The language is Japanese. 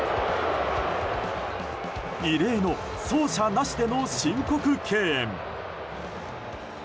異例の走者なしでの申告敬遠。